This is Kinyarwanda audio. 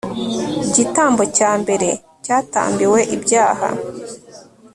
gitambo cya mbere cyatambiwe ibyaha